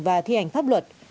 và thi hành pháp luật